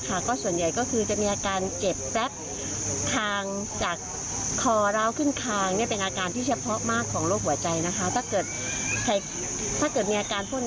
ถ้าเกิดมีอาการพวกนี้นะครับก็คือต้องรีบไปปรึกษาแพทย์เพื่อตรวจโรคหัวใจเลย